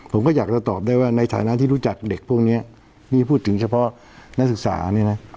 ผมก็อยากจะตอบได้ว่าในฐานะที่รู้จักเด็กพวกนี้นี่พูดถึงเฉพาะนักศึกษาเนี่ยนะ